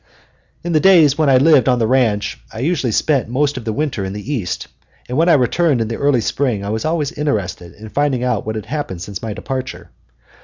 In the days when I lived on the ranch I usually spent most of the winter in the East, and when I returned in the early spring I was always interested in finding out what had happened since my departure.